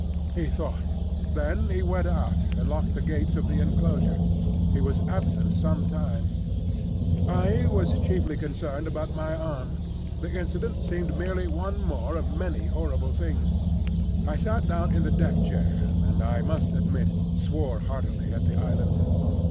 He thought. Then he went out and locked the gates of the enclosure. He was absent some time. I was chiefly concerned about my arm. The incident seemed merely one more of many horrible things. I sat down in the deck chair, and I must admit swore heartily at the island.